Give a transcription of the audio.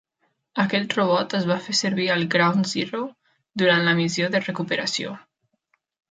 Aquest robot es va fer servir al Ground Zero durant la missió de recuperació.